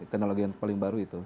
teknologi yang paling baru itu